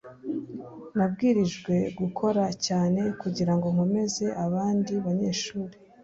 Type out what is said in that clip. nabwirijwe gukora cyane kugirango nkomeze abandi banyeshuri